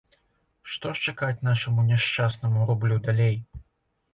Што ж чакаць нашаму няшчаснаму рублю далей?